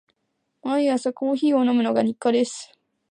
毎朝コーヒーを飲むのが日課です。